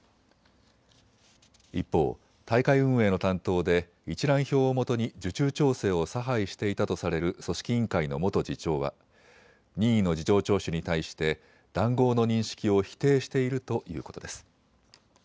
一方、大会運営の担当で一覧表をもとに受注調整を差配していたとされる組織委員会の元次長は任意の事情聴取に対して談合の認識を否定しているということです。